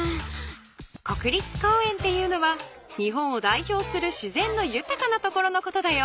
国立公園っていうのは日本を代表するしぜんのゆたかな所のことだよ。